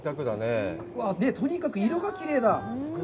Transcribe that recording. とにかく色がきれいだ。